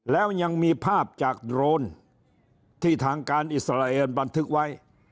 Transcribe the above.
แล้วยังมีภาพจากโดรนที่ทางการอิสราเอลบันทึกไว้